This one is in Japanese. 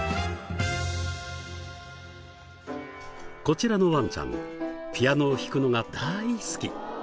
こちらのワンちゃんピアノを弾くのが大好き。